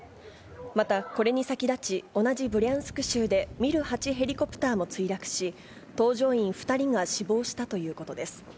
また、これに先立ち、同じブリャンスク州でミル８ヘリコプターも墜落し、搭乗員２人が死亡したということです。